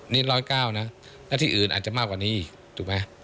นี่๑๐๙นะและที่อื่นอาจจะมากกว่านี้อีกถูกไหม